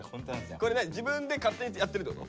これ何自分で勝手にやってるってこと？